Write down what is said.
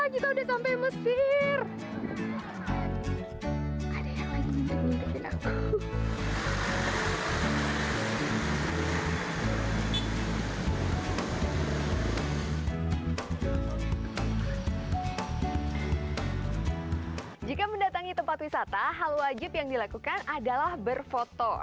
jika mendatangi tempat wisata hal wajib yang dilakukan adalah berfoto